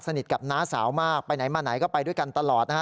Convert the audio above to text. สนิทกับน้าสาวมากไปไหนมาไหนก็ไปด้วยกันตลอดนะฮะ